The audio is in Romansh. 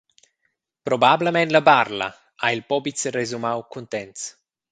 «Probablamein la Barla», ha il Pobitzer resumau cuntents.